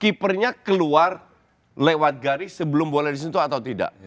keepernya keluar lewat garis sebelum boleh disentuh atau tidak